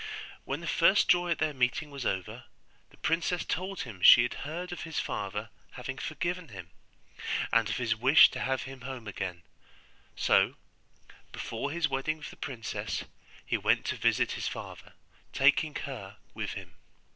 When the first joy at their meeting was over, the princess told him she had heard of his father having forgiven him, and of his wish to have him home again: so, before his wedding with the princess, he went to visit his father, taking her with him.